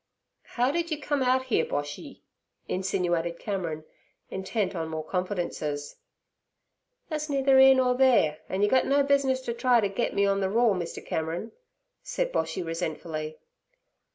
'How did you come out here, Boshy?' insinuated Cameron, intent on more confidences. 'That's neither 'ere nur theere, an' yer gut no business ter try t' git me on ther raw, Mr. Cameron' said Boshy resentfully.